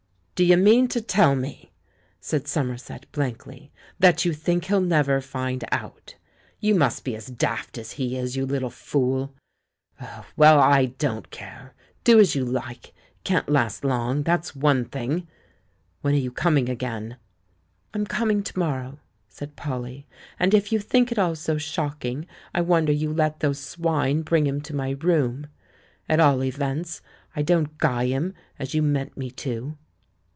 "D'ye mean to tell me," said Somerset blankly, "that you think he'll never find out? You must be as daft as he is, you little fool. ... Oh, well, / don't care; do as you like — it can't last long, that's one thing! When are you coming again?" "I'm coming to morrow," said Polly. "And if you think it all so shocking, I wonder you let those swine bring him to my room. At all events, I don't guy him, as you meant me to."